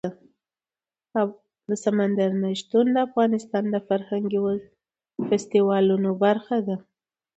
سمندر نه شتون د افغانستان د فرهنګي فستیوالونو برخه ده.